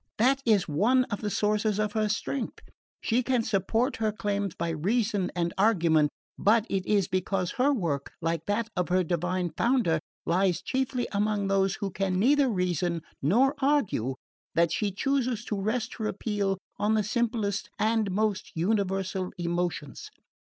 That is one of the sources of her strength. She can support her claims by reason and argument, but it is because her work, like that of her divine Founder, lies chiefly among those who can neither reason nor argue, that she chooses to rest her appeal on the simplest and most universal emotions.